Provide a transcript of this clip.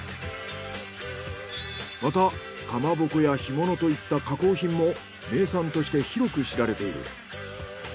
またかまぼこや干物といった加工品も名産として広く知られている。